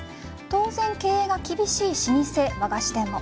当然、経営が厳しい老舗和菓子店も。